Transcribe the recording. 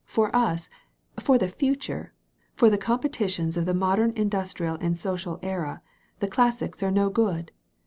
For us, for the future, for the competi tions of the modem industrial and social era, the classics are no good.